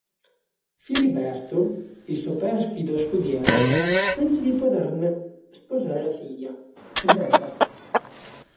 Filiberto, il suo perfido scudiero, pensa di poterne sposare la figlia, Greta.